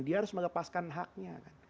dia harus melepaskan haknya